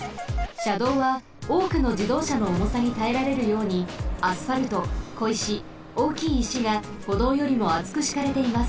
しゃどうはおおくのじどうしゃのおもさにたえられるようにアスファルトこいしおおきいいしがほどうよりもあつくしかれています。